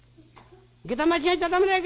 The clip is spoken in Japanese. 下駄間違えちゃ駄目だよ